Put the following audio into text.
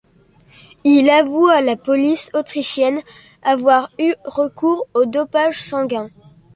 Il avoue à la police autrichienne avoir eu recours au dopage sanguin.